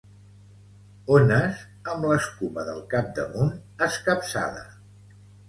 Ones amb l'escuma del capdamunt escapçada.